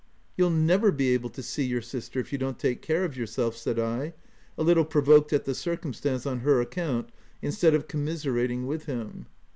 " You'll never be able to see your sister, if you don't take care of yourself," said I, a little provoked at the circumstance on her ac count, instead of commiserating him.